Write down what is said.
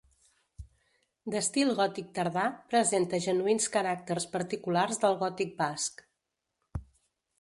D'estil gòtic tardà, presenta genuïns caràcters particulars del gòtic basc.